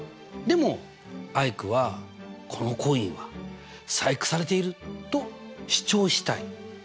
でもアイクは「このコインは細工されている」と主張したい。